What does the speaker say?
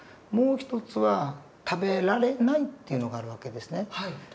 もう一つは食べられないっていうのがある訳ですね。